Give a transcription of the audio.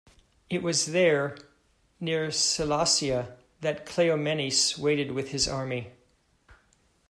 It was there, near Sellasia, that Cleomenes waited with his army.